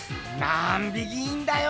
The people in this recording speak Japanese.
なんびきいんだよ！